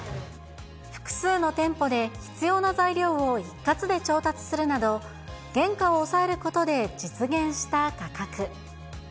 複数の店舗で、必要な材料を一括で調達するなど原価を抑えることで実現した価格。